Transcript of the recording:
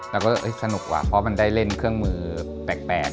เราก็สนุกว่ะเพราะมันได้เล่นเครื่องมือแปลก